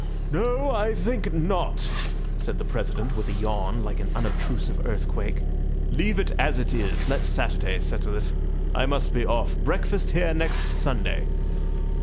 "No, I think not," said the President with a yawn like an unobtrusive earthquake. "Leave it as it is. Let Saturday settle it. I must be off. Breakfast here next Sunday."